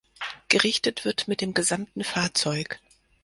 Gerichtet wird mit dem gesamten Fahrzeug.